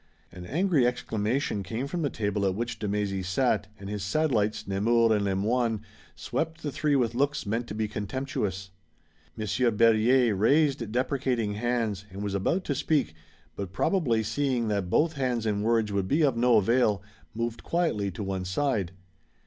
An angry exclamation came from the table at which de Mézy sat, and his satellites, Nemours and Le Moyne, swept the three with looks meant to be contemptuous. Monsieur Berryer raised deprecating hands and was about to speak, but, probably seeing that both hands and words would be of no avail, moved quietly to one side.